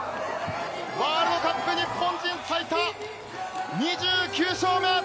ワールドカップ日本人最多２９勝目！